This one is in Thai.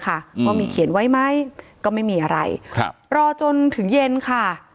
ว่ามีเขียนไว้ไหมก็ไม่มีอะไรครับรอจนถึงเย็นค่ะ